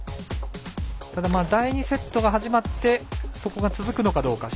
ただ、第２セットが始まってそこが続くのかどうか。